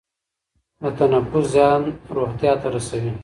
د تنفس زیان روغتیا ته رسوي.